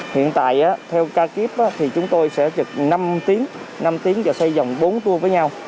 hiện tại theo ca kíp thì chúng tôi sẽ trực năm tiếng năm tiếng và xây dòng bốn tour với nhau